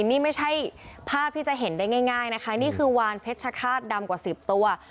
นี่ไม่ใช่ภาพที่จะเห็นได้ง่ายนะคะนี่คือวานเพชรฆาตดำกว่า๑๐ตัว